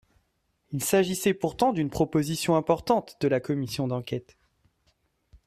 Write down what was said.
Il s’agissait pourtant d’une proposition importante de la commission d’enquête.